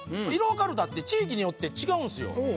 いろはかるたって地域によって違うんですよ。